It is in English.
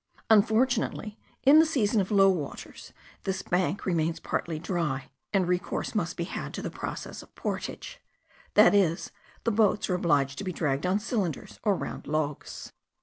Unfortunately, in the season of low waters, this bank remains partly dry, and recourse must be had to the process of portage; that is, the boats are obliged to be dragged on cylinders, or round logs.